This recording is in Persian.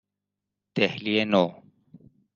دهلی نو